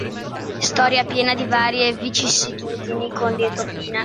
Storia piena di varie vicissitudini con lieto fine.